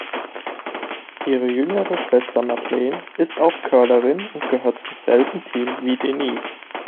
Ihre jüngere Schwester Madeleine ist auch Curlerin und gehört zum selben Team wie Denise.